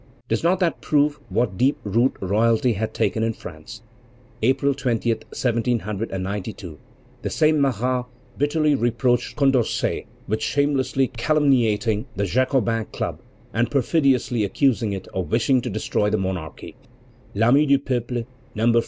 Does not that prove what deep root royalty had taken in France? April 20, 1792, the same Marat bitterly reproached Condorcet with "shamelessly calumniating the Jacobin Club, and perfidiously accusing it of wishing to destroy the monarchy" (L' Ami du Peuple, No.